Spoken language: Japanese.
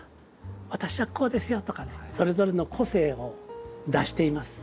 私はこうですよとかねそれぞれの個性を出しています。